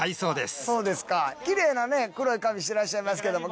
そうですかきれいなね黒い髪してらっしゃいますけども。